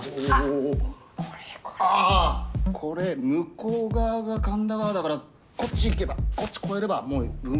これ向こう側が神田川だからこっち行けばこっち越えればもう文京区ですよ。